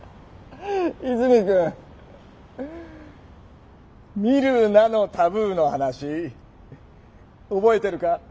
泉くん「見るなのタブー」の話覚えてるか。